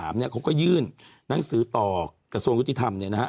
เขาก็ยื่นหนังสือต่อกระทรวงยุติธรรมเนี่ยนะฮะ